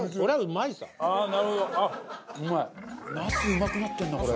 なすうまくなってるなこれ。